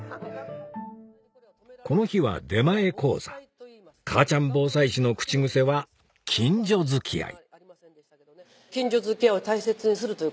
この日は出前講座母ちゃん防災士の口癖は「近所付き合い」